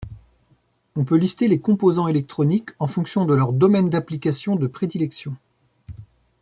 On peut lister les composants électroniques en fonction de leur domaine d'application de prédilection.